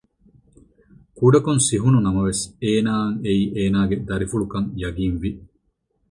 ކުޑަކޮށް ސިހުނު ނަމަވެސް އޭނާއަށް އެއީ އޭނާގެ ދަރިފުޅުކަން ޔަޤީންވި